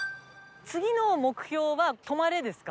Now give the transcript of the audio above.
次の目標は「止まれ」ですか？